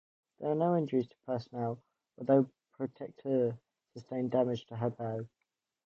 There were no injuries to personnel, although "Protecteur" sustained damage to her bow.